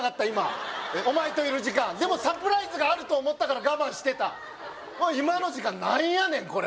今お前といる時間でもサプライズがあると思ったから我慢してた今の時間何やねん